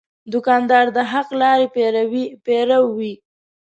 دوکاندار د حق لارې پیرو وي.